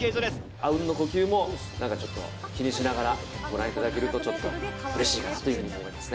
あうんの呼吸も、なんかちょっと気にしながら、ご覧いただけると、ちょっとうれしいかなと思いますね。